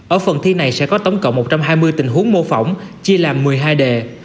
ở phần thi này sẽ có tổng cộng một trăm hai mươi tình huống mô phỏng chia làm một mươi hai đề